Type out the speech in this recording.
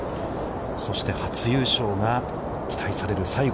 そして初優勝が期待される西郷。